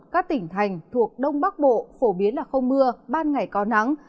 các tỉnh thành thuộc đông bắc bộ phổ biến là không mưa ban ngày có nắng